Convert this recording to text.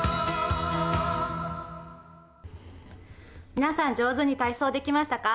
皆さん、上手に体操できましたか？